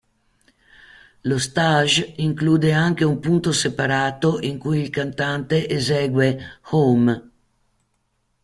Lo stage include anche un punto separato in cui il cantante esegue "Home".